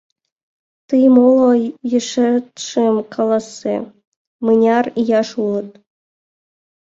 Тый моло ешетшым каласе: мыняр ияш улыт?